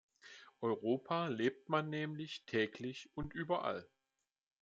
Europa lebt man nämlich täglich und überall.